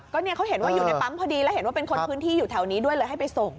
ก็เนี่ยเขาเห็นว่าอยู่ในปั๊มพอดีแล้วเห็นว่าเป็นคนพื้นที่อยู่แถวนี้ด้วยเลยให้ไปส่ง